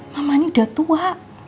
mamanya udah tua